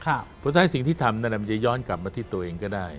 เพราะฉะนั้นสิ่งที่ทำนั่นแหละมันจะย้อนกลับมาที่ตัวเองก็ได้